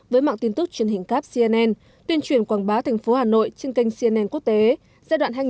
với mạng tin tức truyền hình capcnn tuyên truyền quảng bá tp hà nội trên kênh cnn quốc tế giai đoạn hai nghìn một mươi chín hai nghìn hai mươi bốn